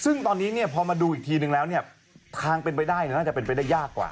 ซึ่งตอนนี้พอมาดูอีกทีนึงแล้วเนี่ยทางเป็นไปได้น่าจะเป็นไปได้ยากกว่า